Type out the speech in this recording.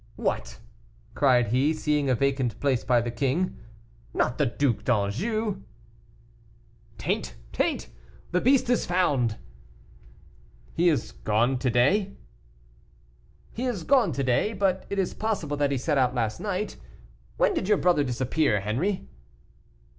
"What!" cried he, seeing a vacant place by the king, "not the Duc d'Anjou?" "Taint! Taint! the beast is found." "He is gone to day." "He is gone to day, but it is possible that he set out last night. When did your brother disappear, Henri?"